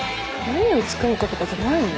何を使うかとかじゃないの？